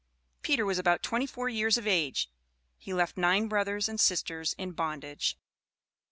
Peter was about twenty four years of age. He left nine brothers and sisters in bondage.